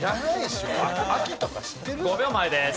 ５秒前です。